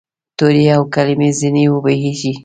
تورې او کلمې ځیني وبهیږې